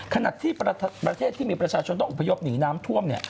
ขนาดที่ประเทศที่มีประชาชนต้องอุปโยคหนีน้ำท่วม